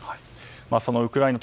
そのウクライナ